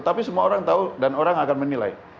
tapi semua orang tahu dan orang akan menilai